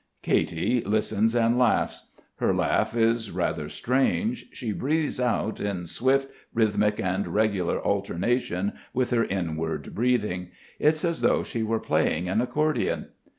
Katy listens and laughs. Her laugh is rather strange. She breathes out in swift, rhythmic, and regular alternation with her inward breathing. It's as though she were playing an accordion.